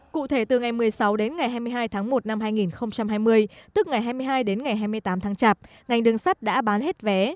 cụ thể từ ngày một mươi sáu đến ngày hai mươi hai tháng một năm hai nghìn hai mươi tức ngày hai mươi hai đến ngày hai mươi tám tháng chạp ngành đường sắt đã bán hết vé